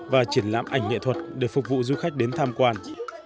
và triển lãm ảnh nghệ thuật để phục vụ du khách đến tham quan